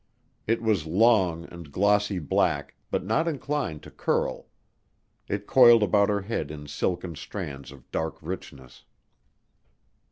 It was long and glossy black, but not inclined to curl. It coiled about her head in silken strands of dark richness.